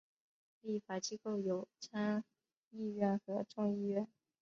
立法机构有参议院和众议院。